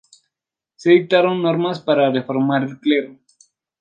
Se dictaron normas para reformar al clero.